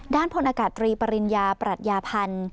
พลอากาศตรีปริญญาปรัชญาพันธ์